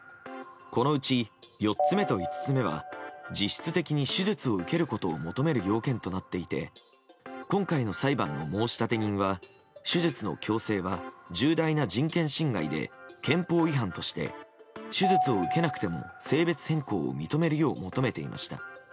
このうち、４つ目と５つ目は実質的に手術を受けることを求める要件となっていて今回の裁判の申立人は手術の強制は重大な人権侵害で憲法違反として手術を受けなくても性別変更を認めるよう求めていました。